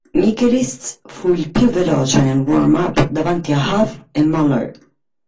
Michelisz fu il più veloce nel warm–up davanti a Huff e Muller.